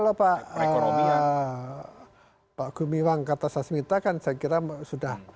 kalau pak gumiwang kartasasmita kan saya kira sudah